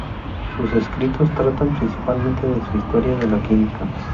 Sus escritos tratan principalmente de la historia de la Química.